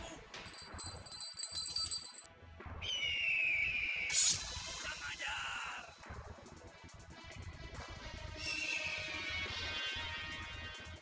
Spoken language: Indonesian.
kau memang anak yang manis